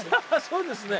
そうですね。